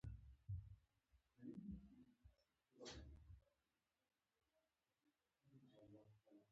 د دغه جګړې د ماشین تیل انسان دی.